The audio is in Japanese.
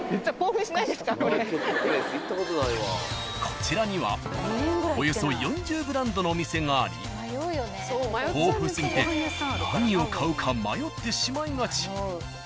［こちらにはおよそ４０ブランドのお店があり豊富過ぎて何を買うか迷ってしまいがち］